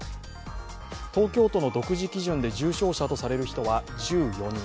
東京都の独自基準で重症者とされる人は１４人。